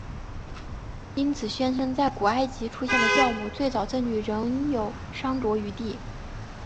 因此宣称在古埃及出现的酵母最早证据仍有商酌余地。